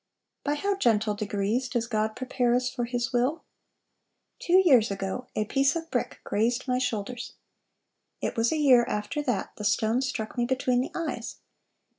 "By how gentle degrees does God prepare us for His will! Two years ago, a piece of brick grazed my shoulders. It was a year after that the stone struck me between the eyes.